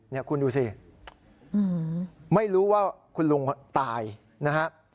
นี่คุณดูสิไม่รู้ว่าคุณลุงตายนะฮะ